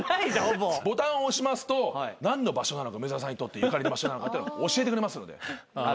ボタンを押しますと何の場所なのか梅沢さんにとってゆかりの場所なのかってのを教えてくれますので。